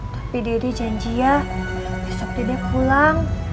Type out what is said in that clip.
tapi dede janji ya besok dedek pulang